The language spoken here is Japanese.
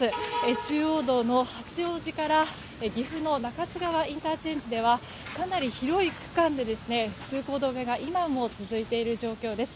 中央道の八王子から岐阜の中津川ＩＣではかなり広い区間で通行止めが今も続いている状況です。